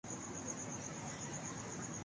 اور قوانین اپنے فطری ارتقا سے محروم رہتے ہیں